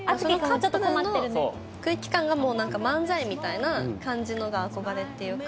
カップルの空気感がもう何か漫才みたいな感じのが憧れっていうか。